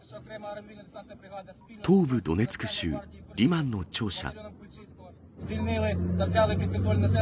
東部ドネツク州リマンの庁舎。